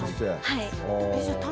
はい。